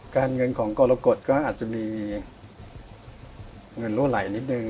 เงินของกรกฎก็อาจจะมีเงินรั่วไหลนิดนึง